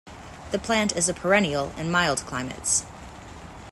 The plant is a perennial in mild climates.